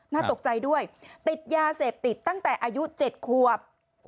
น่าตกใจด้วยติดยาเสพติดตั้งแต่อายุ๗ควบ